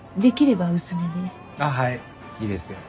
はいいいですよ。